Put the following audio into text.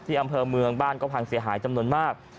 อำเภอเมืองบ้านก็พังเสียหายจำนวนมาก